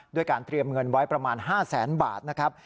ด้วยการเตรียมเงินไว้ประมาณ๕แสนบาทนะครับ